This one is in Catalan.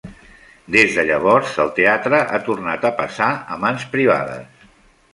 Des de llavors el teatre ha tornat a passar a mans privades.